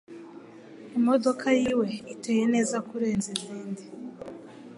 Imodoka yiwe iteye neza kurenza izindi